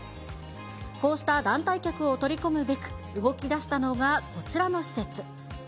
こうした団体客を取り込むべく、動きだしたのがこちらの施設。